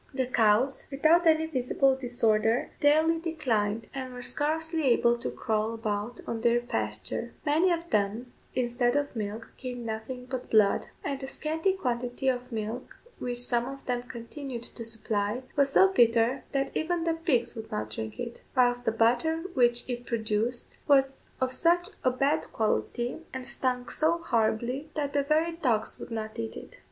The cows, without any visible disorder, daily declined, and were scarcely able to crawl about on their pasture: many of them, instead of milk, gave nothing but blood; and the scanty quantity of milk which some of them continued to supply was so bitter that even the pigs would not drink it; whilst the butter which it produced was of such a bad quality, and stunk so horribly, that the very dogs would not eat it.